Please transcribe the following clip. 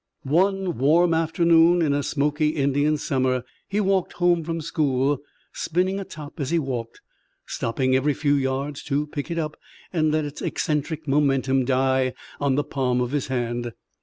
One warm afternoon in a smoky Indian summer he walked home from school, spinning a top as he walked, stopping every few yards to pick it up and to let its eccentric momentum die on the palm of his hand.